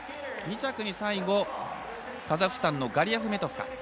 ２着にカザフスタンのガリアフメトフ。